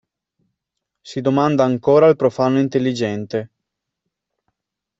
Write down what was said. Si domanda ancora il profano intelligente.